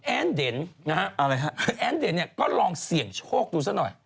แอ้นเด่นนะฮะอะไรฮะแอ้นเด่นเนี่ยก็ลองเสี่ยงโชคดูซะหน่อย